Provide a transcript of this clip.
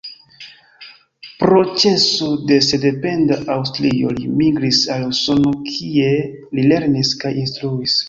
Pro ĉeso de sendependa Aŭstrio li migris al Usono, kie li lernis kaj instruis.